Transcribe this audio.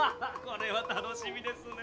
これは楽しみですね。